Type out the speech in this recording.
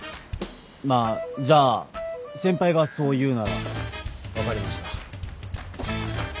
まあじゃあ先輩がそう言うなら分かりました。